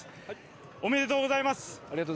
おめでとうございます。